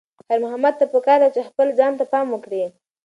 خیر محمد ته پکار ده چې خپل ځان ته پام وکړي.